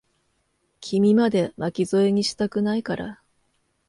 君まで、巻き添えにしたくないから。